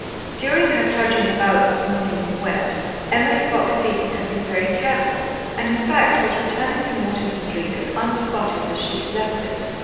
During her trudging about this morning in the wet, Emily Fox Seton had been very careful, and, in fact, was returning to Mortimer Street as unspotted as she had left it.